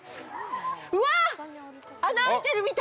うわあ！穴あいてるみたい！